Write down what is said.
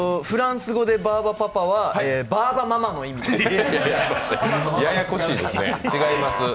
フランス語でバーバパパは、バーバママの意味です。